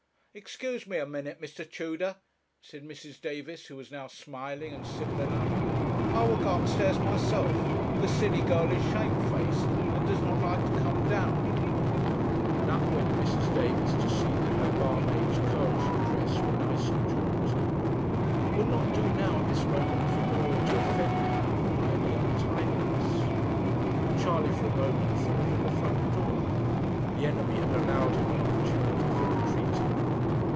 'Excuse me a minute, Mr. Tudor,' said Mrs. Davis, who was now smiling and civil enough; 'I will go upstairs myself; the silly girl is shamefaced, and does not like to come down'; and up went Mrs. Davis to see that her barmaid's curls and dress were nice and jaunty. It would not do now, at this moment, for Norah to offend her lover by any untidiness. Charley for a moment thought of the front door. The enemy had allowed him an opportunity for retreating.